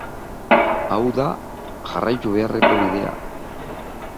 Hau da jarraitu beharreko bidea.